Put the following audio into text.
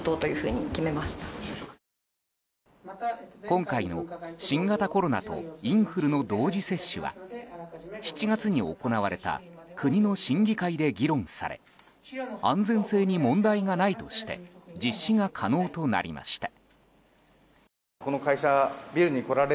今回の新型コロナとインフルの同時接種は７月に行われた国の審議会で議論され安全性に問題がないとして実施が可能となりました。